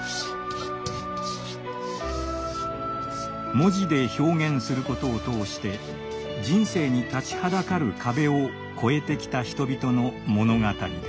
「文字で表現すること」を通して人生に立ちはだかる壁を越えてきた人々の物語です。